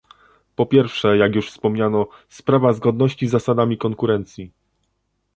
Po pierwsze, jak już wspomniano, sprawa zgodności z zasadami konkurencji